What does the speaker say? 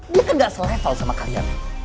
dia kan gak se level sama kalian